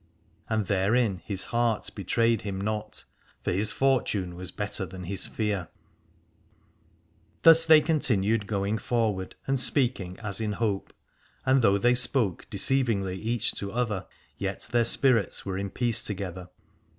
And therein his heart betrayed him not, for his fortune was better than his fear. Thus they continued going forward, and speaking as in hope : and though they spoke deceivingly each to other, yet their spirits were in peace together.